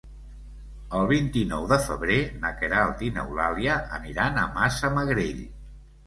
El vint-i-nou de febrer na Queralt i n'Eulàlia aniran a Massamagrell.